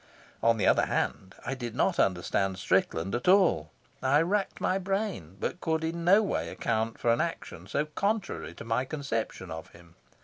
On the other hand, I did not understand Strickland at all. I racked my brain, but could in no way account for an action so contrary to my conception of him.